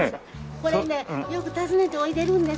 これねよく訪ねておいでるんです。